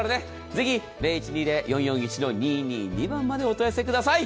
ぜひ０１２０‐４４１‐２２２番までお問い合わせください。